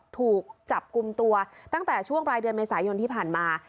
ถูกจับกลุ่มตัวตั้งแต่ช่วงปลายเดือนเมษายนที่ผ่านมา